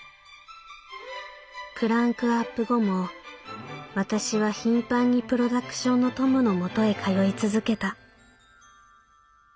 「クランクアップ後も私は頻繁にプロダクションのトムの元へ通い続けた」。